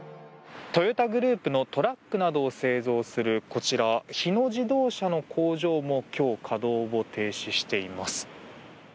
トヨタグループのトラックなどを製造するこちら、日野自動車の工場も今日、稼働を停止しています。